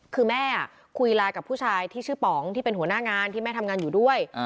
คือแม่คุยไลน์กับผู้ชายที่ชื่อป๋องที่เป็นหัวหน้างานที่แม่ทำงานอยู่ด้วย